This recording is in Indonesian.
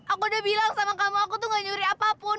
aku udah bilang sama kamu aku tuh gak nyuri apapun